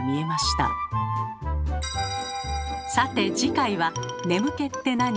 さて次回は「眠気って、なに？」